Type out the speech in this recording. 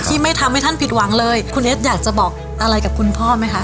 ที่ไม่ทำให้ท่านผิดหวังเลยคุณเอสอยากจะบอกอะไรกับคุณพ่อไหมคะ